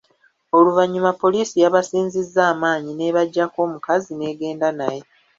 Oluvannyuma poliisi yabasinzizza amaanyi n’ebaggyako omukazi n’egenda naye.